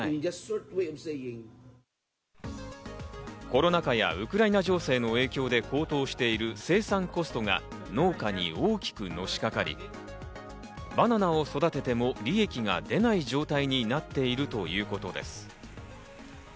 コロナ禍やウクライナ情勢の影響で高騰している生産コストが農家に大きくのしかかり、バナナを育てても、利益が出ない状態になっているということです。